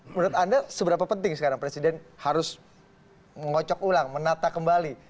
menurut anda seberapa penting sekarang presiden harus mengocok ulang menata kembali